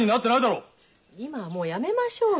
今はもうやめましょうよ！